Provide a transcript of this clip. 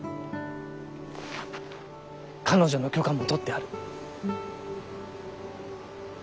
彼女の許可もとってある。